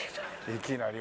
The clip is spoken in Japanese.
いきなり。